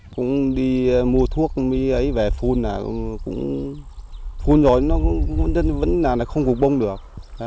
khi mua thuốc mấy ấy về phun là cũng phun rồi nó vẫn là không phục bông được